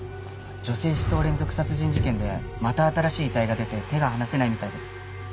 女性刺創連続殺人事件でまた新しい遺体が出て手が離せないみたいです。